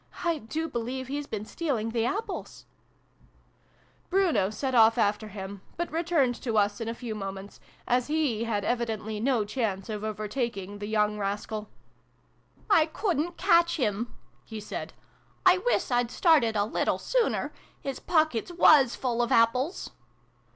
I do believe he's been stealing the apples !" Bruno set off after him, but returned to us in a few moments, as he had evidently no chance of overtaking the young rascal. 60 SYLVIE AND BRUNO CONCLUDED. " I couldn't catch him! " he said. " Iwiss I'd started a little sooner. His pockets was full of apples